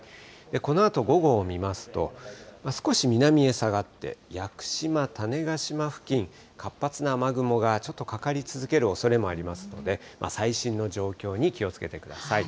このあと午後を見ますと、少し南へ下がって、屋久島・種子島付近、活発な雨雲がちょっとかかり続けるおそれもありますので、最新の状況に気をつけてください。